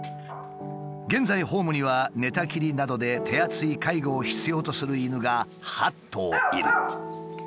現在ホームには寝たきりなどで手厚い介護を必要とする犬が８頭いる。